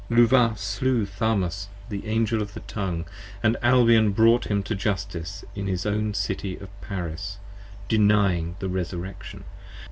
5 Luvah slew Tharmas the Angel of the Tongue, & Albion brought him To Justice in his own City of Paris, denying the Resurrection.